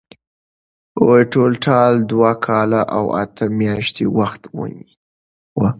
ټولټال دوه کاله او اته میاشتې وخت ونیو.